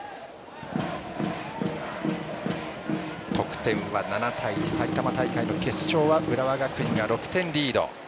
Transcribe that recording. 得点は７対１、埼玉大会の決勝は浦和学院が６点リード。